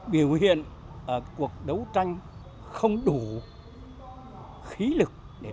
biểu hiện ở cuộc đấu tranh không đủ